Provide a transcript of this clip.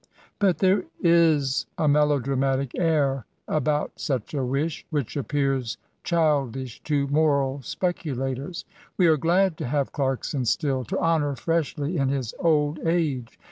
But there is a melo dramatic air about such a wish, which appears childish to moral speculators. We are glad to have Clarkson still, to honour freshly in his old age.